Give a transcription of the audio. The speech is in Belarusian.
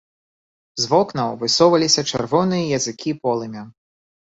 З вокнаў высоўваліся чырвоныя языкі полымя.